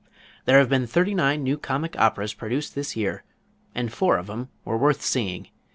"There have been thirty nine new comic operas produced this year and four of 'em were worth seeing.